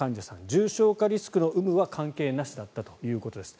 重症化リスクの有無は関係なしだったということです。